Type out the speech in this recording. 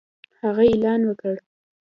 هغه اعلان وکړ